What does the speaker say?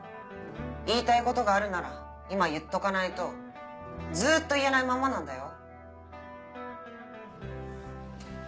言いたいことがあるなら今言っとかないとずっと言えないまんまなんだよ。